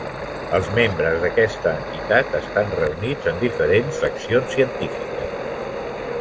Els membres d'aquesta entitat estan reunits en diferents Seccions Científiques.